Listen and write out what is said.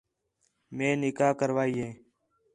مئے نکاح کروائی ہِے